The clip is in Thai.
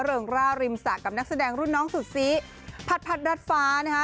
ริงร่าริมสะกับนักแสดงรุ่นน้องสุดซีผัดรัดฟ้านะฮะ